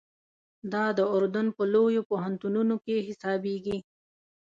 دا د اردن په لویو پوهنتونو کې حسابېږي.